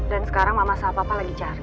dan sekarang mama sama papa lagi cari